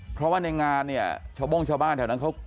เพราะว่าในงานเนี่ยเช้าโม่งเช้าบ้านแถวนั้น